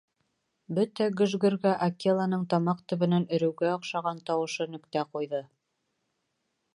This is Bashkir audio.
Бөтә гөж-гөргә Акеланың тамаҡ төбөнән өрөүгә оҡшаған тауышы нөктә ҡуйҙы: